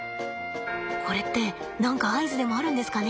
これって何か合図でもあるんですかね？